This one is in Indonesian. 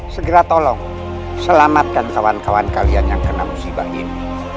selamatkan kawan kawan kalian yang kena musibah ini